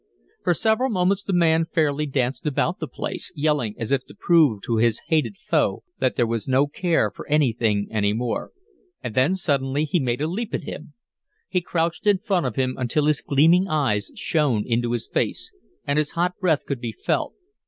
For several moments the man fairly danced about the place, yelling as if to prove to his hated foe that there was no care for anything any more. And then suddenly he made a leap at him. He crouched in front of him until his gleaming eyes shone into his face, and his hot breath could be felt.